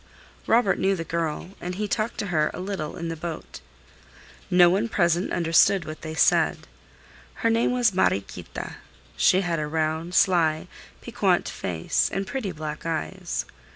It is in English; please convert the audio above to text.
Robert knew the girl, and he talked to her a little in the boat. No one present understood what they said. Her name was Mariequita. She had a round, sly, piquant face and pretty black eyes.